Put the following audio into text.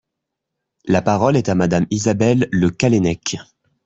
La parole est à Madame Isabelle Le Callennec.